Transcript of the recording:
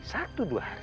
satu dua hari